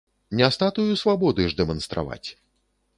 Не статую свабоды ж дэманстраваць.